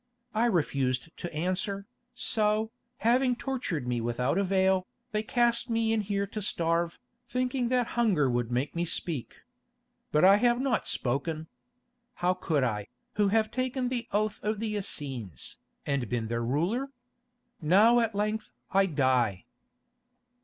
I refused to answer, so, having tortured me without avail, they cast me in here to starve, thinking that hunger would make me speak. But I have not spoken. How could I, who have taken the oath of the Essenes, and been their ruler? Now at length I die."